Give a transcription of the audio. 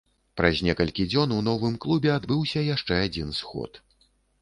Праз некалькі дзён у новым клубе адбыўся яшчэ адзін сход.